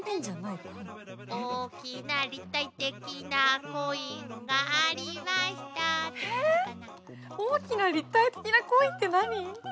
大きな立体的なコインって何？